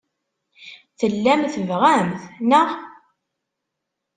Tellam tebɣam-t, naɣ?